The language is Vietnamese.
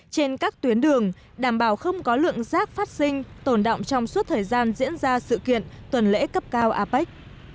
trên các tuyến đường đảm bảo không có lượng rác phát sinh tồn động trong suốt thời gian diễn ra sự kiện tuần lễ cấp cao apec